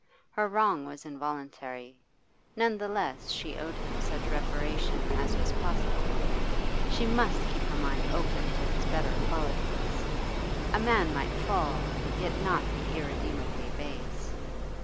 Her wrong was involuntary, none the less she owed him such reparation as was possible; she must keep her mind open to his better qualities. A man might fall, yet not be irredeemably base.